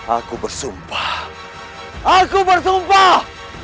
aku bersumpah aku bersumpah